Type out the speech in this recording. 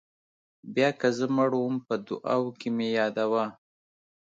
بیا که زه مړ وم په دعاوو کې مې یادوه.